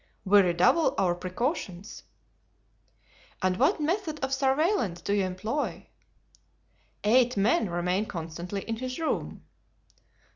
"We redouble our precautions." "And what method of surveillance do you employ?" "Eight men remain constantly in his room."